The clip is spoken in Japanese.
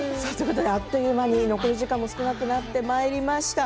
あっという間に残り時間も少なくなってまいりました。